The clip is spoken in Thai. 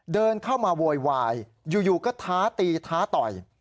เดินเข้ามาโวยวายอยู่ก็ท้าตีท้าต่อย